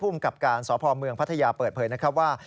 กับการสพเมืองพัทยาเปิดเผยนะครับว่า